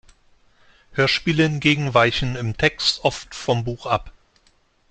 Hörspiele hingegen weichen im Text oft vom Buch ab.